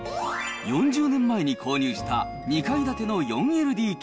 ４０年前に購入した、２階建ての４ＬＤＫ。